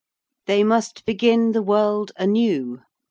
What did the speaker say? They must begin the world anew.